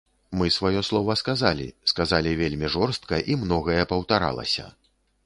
Мы сваё слова сказалі, сказалі вельмі жорстка, і многае паўтаралася.